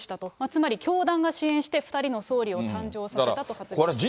つまり教団が支援して、２人の総理を誕生させたと発言しています。